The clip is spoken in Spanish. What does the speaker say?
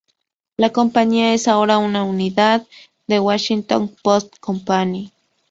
La compañía es ahora una unidad de The Washington Post Company.